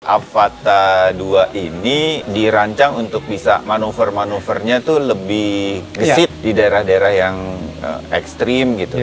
avata dua ini dirancang untuk bisa manuver manuvernya itu lebih gesit di daerah daerah yang ekstrim gitu